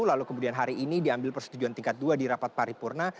lalu kemudian hari ini diambil persetujuan tingkat dua di rapat paripurna